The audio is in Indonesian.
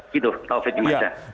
gitu taufik iman syah